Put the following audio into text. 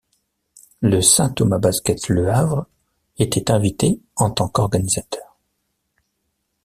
Le Saint Thomas Basket Le Havre était invité en tant qu'organisateur.